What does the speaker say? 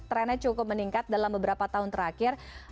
trendnya cukup meningkat dalam beberapa tahun terakhir